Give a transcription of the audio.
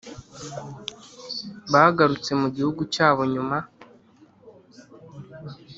Bagarutse mu gihugu cyabo nyuma